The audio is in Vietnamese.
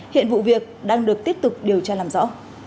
hiện vụ việc đang được tiếp tục điều tra làm rõ